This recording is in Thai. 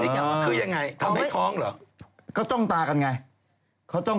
เออเพราะมันต้องมีจริงจริง